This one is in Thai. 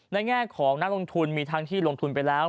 แง่ของนักลงทุนมีทั้งที่ลงทุนไปแล้ว